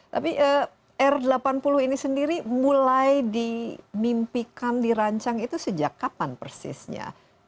tapi r delapan puluh ini sendiri mulai dimimpikan dirancang itu sejak kapan persisnya